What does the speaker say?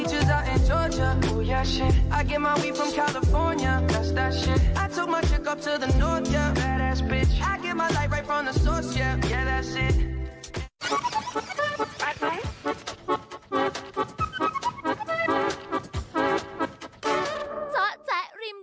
ช่วยไปรักเท่าไหม